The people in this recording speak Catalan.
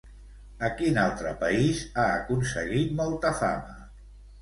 A quin altre país ha aconseguit molta fama?